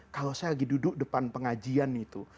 kalo saya lagi duduk di depan pengajian itu